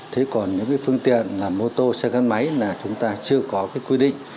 thế còn những phương tiện là mô tô xe gắn máy là chúng ta chưa có quy định